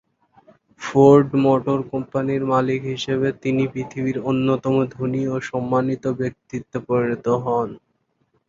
Ford motor কোম্পানির মালিক হিসেবে তিনি পৃথিবীর অন্যতম ধনী ও সম্মানিত ব্যক্তিত্বে পরিণত হন।